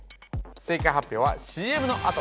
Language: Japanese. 正解発表はＣＭのあと